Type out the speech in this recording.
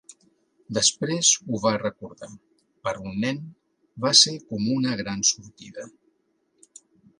Després ho va recordar: "Per un nen, va ser com una gran sortida".